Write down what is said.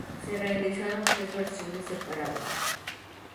Se realizaron tres versiones separadas.